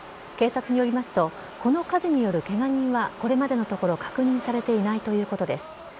警察によりますとこの火事によるケガ人はこれまでのところ確認されていないということです。